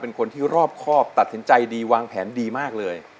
เป็นคนที่รอบครอบตัดสินใจดีวางแผนดีมากเลย